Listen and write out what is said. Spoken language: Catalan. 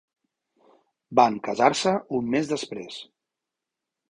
Van casar-se un mes després.